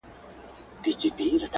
او د تدریس میتود تازه کړی